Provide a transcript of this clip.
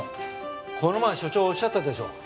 この前署長おっしゃったでしょ。